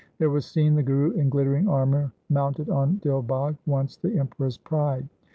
There was seen the Guru in glittering armour, mounted on Dil Bagh, once the Emperor's pride.